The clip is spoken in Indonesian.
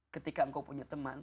ketika engkau punya teman